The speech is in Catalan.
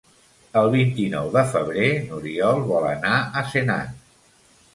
El vint-i-nou de febrer n'Oriol vol anar a Senan.